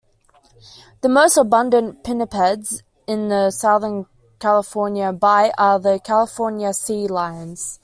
The most abundant pinnipeds in the Southern California Bight are the California sea lions.